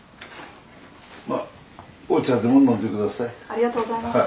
ありがとうございます。